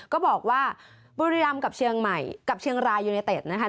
ก็บอกว่าบูริรัมย์กับเชียงใหม่กับเชียงรายุเนเตสนะคะ